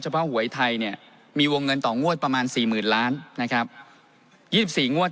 เพราะหวยไทยเนี่ยมีวงเงินต่องวดประมาณ๔๐๐๐ล้านนะครับ๒๔งวด